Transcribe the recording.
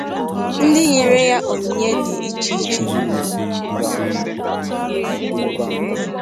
ndị nyere ya onyinye dị iche iche.